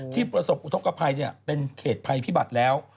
ประสบอุทธกภัยเป็นเขตภัยพิบัติแล้ว